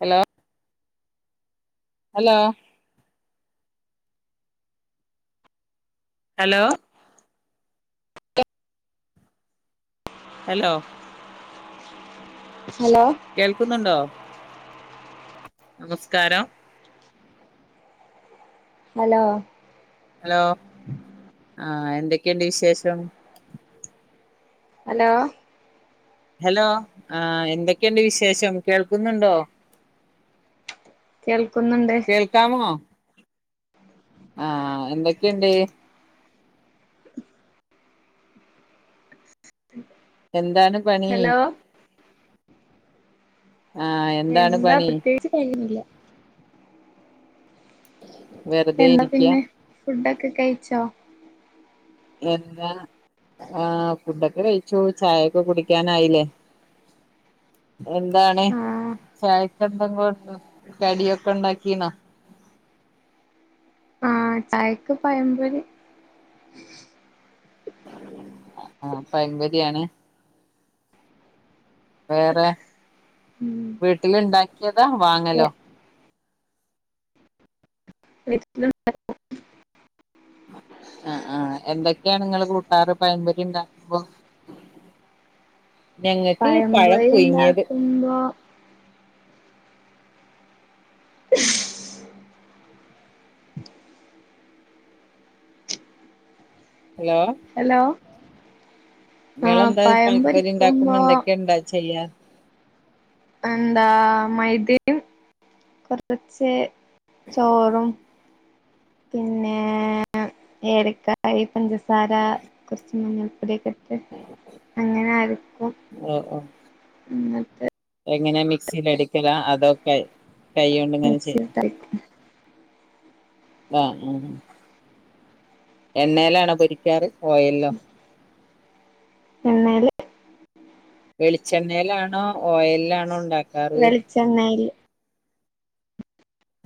Hello hello hello hello hello കേൾക്കുന്നുണ്ടോ നമസ്കാരം hello hello ആ എന്തൊക്കെണ്ട് വിശേഷം ഹലോ ഹലോ ആ എന്തൊക്കെണ്ട് വിശേഷം കേൾക്കുന്നുണ്ടോ കേൾക്കുന്നുണ്ട് കേൾക്കാമോ ആ എന്തൊക്കെണ്ട് എന്താണ് പണി ഹലോ ആ എന്താണ് എന്താ പണി പ്രത്യേകിച്ച് പണിയൊന്നുല്ല [inaudible] എന്താ ഇരിക്ക പിന്നെ ഫുഡൊക്കെ കഴിച്ചോ എന്ത [unintelligible] ആ ഫുഡൊക്കെ കഴിച്ചു ചായൊക്കെ കുടിക്കാനായിലെ എന്താണ് ആഹ് ചായക്കെന്തെങ്കോണ്ട് കടിയൊക്കെ ഉണ്ടാക്കീണോ ആ ചായക്ക് പയംപൊരി ആഹ പയംപൊരിയാണ് വേറെ ഉം വീട്ടിലുണ്ടാക്കിയതാ വാങ്ങലോ [unintelligible] ആ ആ എന്തൊക്കെയാണ് ങ്ങള് കൂട്ടാറ് പയംപോരി ഇണ്ടാക്കുമ്പോ ഞങ്ങക്ക് പഴം പഴംപൊരി പുയുങ്ങിയത് ഉണ്ടാക്കുമ്പോ [unintelligible] ഹലോ ഹലോ ആഹ് നിങ്ങെളന്താ പഴം പയം പൊരി പൊരിക്കുമ്പോ ഇണ്ടാക്കുമ്പം എന്തൊക്കെയ ചെയ്യാ എന്താ മൈദയും കുറച്ച് ചോറും പിന്നെ ഏലക്കായ പഞ്ചസാര കുറച്ച് ഉം ഇത്രയോക്കെ അങ്ങനൊയിരിക്കും ഓ ഓ [unintelligible] എന്നിട്ട് എങ്ങനെ മിക്സിൽ അടിക്കല അതൊ കൈ കൊണ്ട് ഇങ്ങനെ ചെയ്യ മിക്സിയിലിട്ടരക്കും ആ ഉ എണ്ണേലാണോ പൊരിക്കാറ് ഓയൽലൊ എണ്ണേല് വെളിച്ചെണ്ണേലാണോ ഓയലാണോ ഉണ്ടാക്ക വെളിച്ചെണ്ണേൽ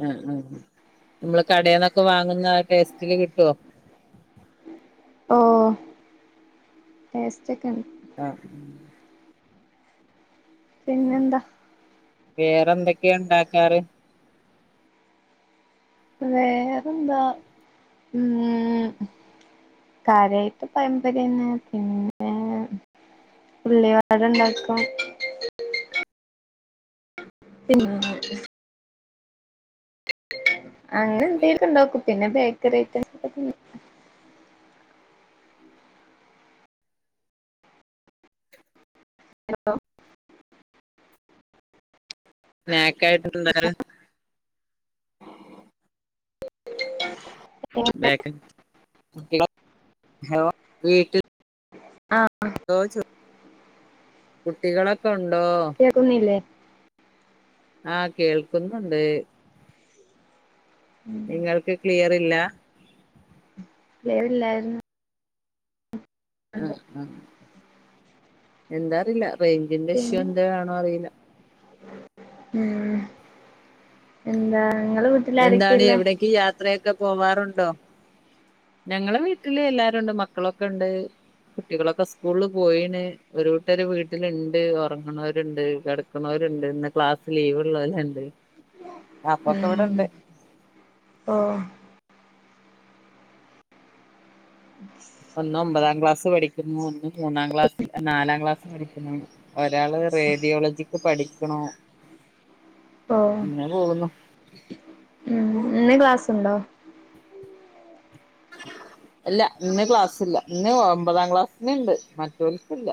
ആ ആ നമ്മള് കടെന്നൊക്കെ വാങ്ങുന്ന ആ ടേസ്റ്റില് കിട്ടോ ഓഹ് ടെസ്റ്റോക്കെണ്ട് അ പിന്നെ എന്താ വേറെ എന്തൊക്കെയ ഉണ്ടാക്കാറ് വേറെന്താ ഉം കാര്യായ്ട്ട് പയമ്പര്യന്നെ പിന്നെ ഉള്ളിവടണ്ടാക്കും പിന്നെ അങ്ങനെ എന്തേലു ണ്ടോക്കും പിന്നെ ബേക്കറി ഐറ്റംസ് ഒക്കെ ഹലോ സ്നെക്കായിട്ടിന്തണ് [unintelligible] ഹലോ ഹലോ വീട്ടിലാ ആഹ കുട്ടികളൊക്കെ ഉണ്ടാ കേക്കുന്നല്ലേ ആഹ കേൾക്കുന്നുണ്ട് ഉം നിങ്ങൾക്ക് ക്ലിയർ ഇല്ല ക്ലീയറില്ലാരുന്നു ആഹ ആഹ എന്താറീല്ല റേഞ്ച്ന്റെ ഇഷ്യൂ പിന്നെ എന്താണോ അറീല്ല ഉം എന്താ ഇങ്ങളെ എന്താണ് വീട്ടിലാരൊക്കെള്ളെ എവിടക്ക് യാത്രയൊക്കെ പോവാറുണ്ടോ ഞങ്ങളെ വീട്ടില് എല്ലരുണ്ട് മക്കളൊക്കെണ്ട് കുട്ടികളൊക്കെ സ്കൂളിൽ പോയിണ് ഒരൂട്ടര് വീട്ടിലിണ്ട് ഉറങ്ങുണോരുണ്ട് കിടക്കുണോര്ണ്ട് ര്ണ്ട് ഇന്ന് ക്ലാസ് ലീവ്ള്ളോല്ണ്ട് ഉം ഓ ഹ് ഒന്ന് ഒമ്പതാം ക്ലാസ് പഠിക്കുന്നു ഒന്ന് മൂന്നാം ക്ലാസ് നാലാം ക്ലാസ്സ് പഠിക്കുന്നു ഒരാള് റേഡിയോളജിക്ക് പഠിക്ക്ണ് ഓ ങ്ങെ പോകുന്നു ഉം ഇന്ന് ക്ലാസുണ്ടോ ഇല്ല ഇന്ന് ക്ലാസ്ല്ല ഇന്ന് ഒമ്പതാം ക്ലാസ്സിന്ണ്ട് മറ്റോൽക്കില്ല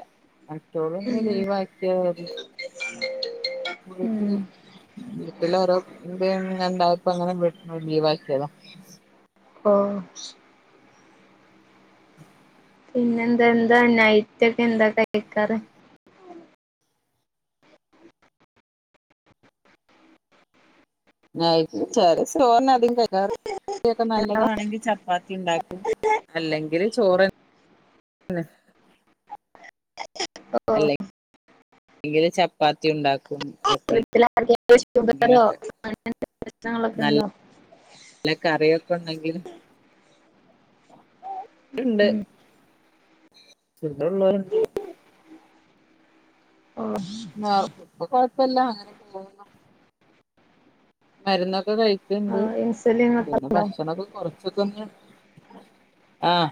മറ്റോള്ള്ന്ന് ഉം ലീവാക്കിയത വീട്ട്ല് ഉം വീട്ടില ഓരോ ഇത്ങ്ങനെ ണ്ടായപ്പോ അങ്ങനെ വീ ലീവാക്കിയതാ അ ഓ പിന്നെ എന്താ എന്താ നൈറ്റ് ഒക്കെ എന്താ കഴിക്കാറ് ആ ചെലേസം ചോറിന അതികം കക്കാറ് കറിഒക്കെ നല്ലതാണെങ്കിൽ ചപ്പാത്തി ണ്ടാക്കും അല്ലെങ്കിൽ ചോറന്നെ ഓ അല്ലെ എല്ലങ്കില് ചപ്പാത്തി ഉണ്ടാക്കും വീട്ടില് ആർക്കേലും ഷുഗറോ എപ്പോഴെങ്കിലൊക്കെ അങ്ങന്ത്ത പ്രശ്നങ്ങളൊക്കെ ഉണ്ടോ നല്ല കറിയൊക്കെ ഉണ്ടാകീനോ ണ്ട് ണ്ട് ഉം ഇവ്ടെള്ളോരുണ്ടലോ ആഹ ഇപ്പല്ലാം അങ്ങനെക്കെ പോകുന്നോ മരുന്നൊക്കെ കഴിക്കുണ്ട് ആ ഇൻസുലിൻ ഒക്കെ പിന്നെ ഉണ്ടോ ഭക്ഷണൊക്കെ കൊറച്ച്ക്ക്ണ് ആഹ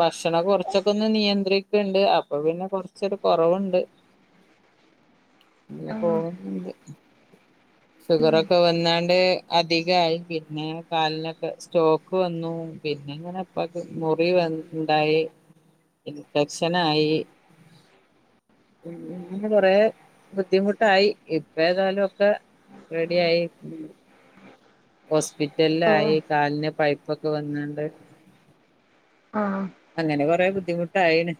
ഭക്ഷണം കൊറച്ചൊക്കെ ഒന്ന് നിയന്ത്രിക് ക്ക്ണ്ട് അപ്പൊ പിന്നെ കൊറച്ചൊരു കൊറവുണ്ട് ഇങ്ങെ ആ കോവണ്ട് ഷുഗറൊക്കെ വന്നാണ്ട്. അധികായി. പിന്നെ കാലിനൊക്കെ സ്റ്റോക്ക് വന്നു. പിന്നെങ്ങനെപ്പം മുറി വന്നു. ണ്ടായി. ഇൻഫക്ഷനായി. ഉ ഇങ്ങെ കൊറെ ബുദ്ധിമുട്ടായി ഇപ്പേഏതായാലും ഒക്കെ റെഡി ആയി മ്. ഓ ഹോസ്പിറ്റലിലായി കാലിന് പൈപ്പൊക്കെ വന്നണ്ട്. ആ അങ്ങനെ കൊറെേ ബുദ്ധിമുട്ടായി ണ്.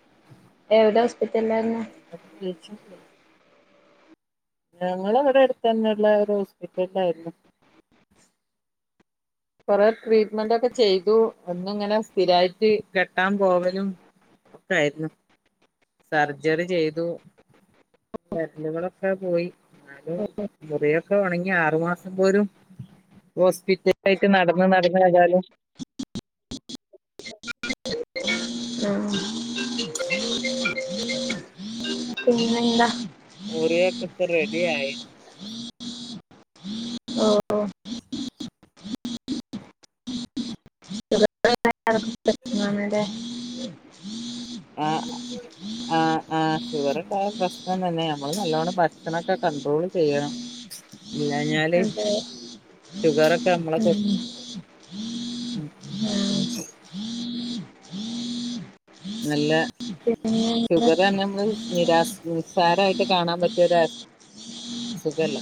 എവിടെ ഹോസ്പിറ്റലിലന്ന? ഞങ്ങളവിടെ അടുത്ത തന്നെള്ള ഒരു ഹോസ്പിറ്റല ആായിരുന്നു. കൊറെ ട്രീറ്റ്മെന്റ്ക്കെ ചെയ്തു അന്ന്ഇങ്ങനെ സ്ഥിരായിട്ട് കെട്ടാൻ പോവലും. ഒക്കായിരുന്നു സർജറി ചെയ്തു. വരലുകളൊക്കെ പോയി ന്നാലും മുറി ഒക്കെ ഉണങ്ങി ആറു മാസം പോലും ഹോസ്പിറ്റൽ [unintelligible] യിട്ട് നടന്ന് നടന്നേതായാലും ആ [unintelligible] ഇല്ല വീഡിയോകത്തെ റെഡിയ ആയി. ഓ [unintelligible] [unintelligible] പ്രശ്നാണ്ലെ ആ ആ് ഷുഗർണ്ടായ പ്രശ്നം തന്നെ നമ്മള് നല്ലോണം ഭക്ഷണക്കെ ക ഡ്രാൾ ചെയ്യണം. അത. ഷുഗർക്കെ നമ്മളെ കൊ ആ നല്ല. പിന്നെ ഷുഗർ ന്നെ നമ്മള് നിരാ നിസ്സാരയിട്ട് കാണാൻ പറ്റിയ രാ സുഖല്ല.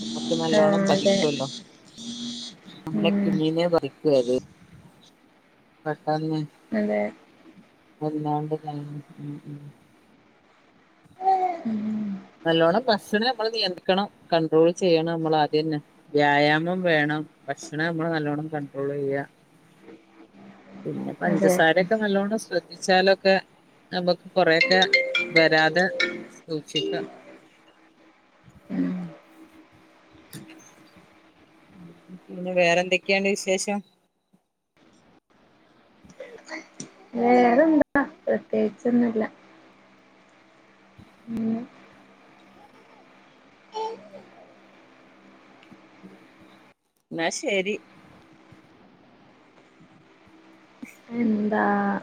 നമ്മുക്ക് ആ നല്ലോണ്ണം അതെ പതിക്കുവല്ലോ. നമ്മളെ ഉം [unintelligible] നെ പഠിക്കനെ. പട്ട അതെ എല്ലാണ്ട് ത ഉം നല്ലോണം ബസ്സിനന നമ്മൾ. നിയന്ത്രിക്കണം കണ്ട്രോൾ ചെയ്യണം നമ്മൾ ആദ്യം ന്നെ വ്യായാമം വേണം. ഭക്ഷണം നമ്മള് നല്ലോണ്ണം കണ്ട്രോള് ചെയ്യ ന്നെ. അതെ പഞ്ചസാരയൊക്കെ നല്ലോണം. ശ്രദ്ധിച്ചാലൊക്കെ നമുക്ക് കൊറെയൊക്കെ വരാതെ സൂക്ഷി ആ തക് യു [inaudible] വേറെന്തൊക്കെയണ്ട് വിശേഷം? വേറെന്താ പ്രത്യേകിച്ചൊന്നുല്ല. ഉം ന്നാ ശരി. [inaudible] ന്താ?